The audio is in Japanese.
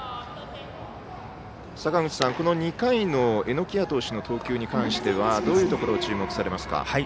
坂口さん、２回の榎谷投手の投球に関してはどういうところに注目されますか。